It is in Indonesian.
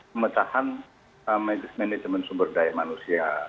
kementerian pertahanan manajemen sumber daya manusia